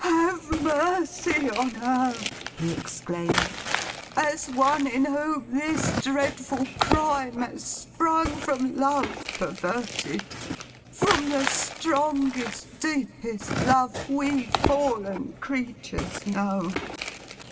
'Have mercy on her!' he exclaimed, 'as one in whom this dreadful crime has sprung from Love perverted; from the strongest, deepest Love we fallen creatures know!